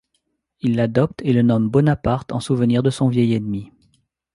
Il l’adopte et le nomme Bonaparte en souvenir de son vieil ennemi.